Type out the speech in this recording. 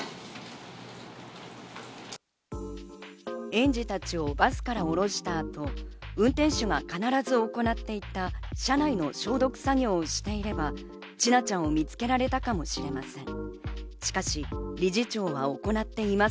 園児たちをバスから降ろしたあと、運転手が必ず行っていた車内の消毒作業をしていれば、千奈ちゃんを見つけられたかもしれません。